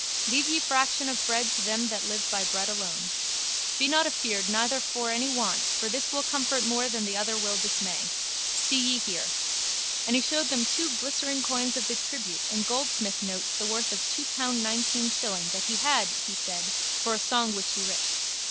Leave ye fraction of bread to them that live by bread alone. Be not afeard neither for any want for this will comfort more than the other will dismay. See ye here. And he showed them glistering coins of the tribute and goldsmith notes the worth of two pound nineteen shilling that he had, he said, for a song which he writ.